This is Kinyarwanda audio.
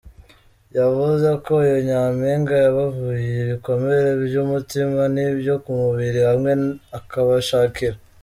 Yavuze ko uyu Nyampinga yabavuye ibikomere by’umutima n’ibyo ku mubiri hamwe akabashakira.